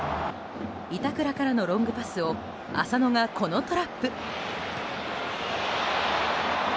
板倉からのロングパスを浅野が、このトラップ。